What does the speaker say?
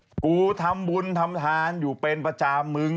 กูทำบุญทำทานอยู่เป็นประจำมึง